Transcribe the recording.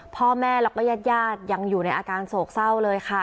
พ่อแม่แล้วก็ญาติยังอยู่ในอาการโศกเศร้าเลยค่ะ